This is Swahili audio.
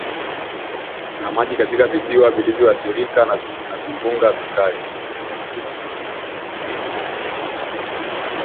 na maji katika visiwa vilivyoathirika na vimbunga vikali